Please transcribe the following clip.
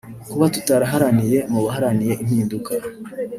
Kuba tutaragaragaye mu baharaniye impinduka